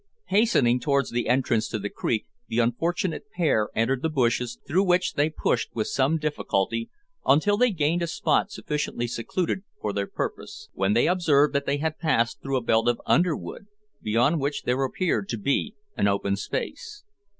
Hastening towards the entrance to the creek, the unfortunate pair entered the bushes, through which they pushed with some difficulty, until they gained a spot sufficiently secluded for their purpose, when they observed that they had passed through a belt of underwood, beyond which there appeared to be an open space.